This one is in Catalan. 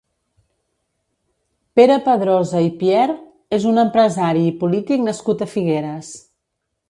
Pere Padrosa i Pierre és un empresari i polític nascut a Figueres.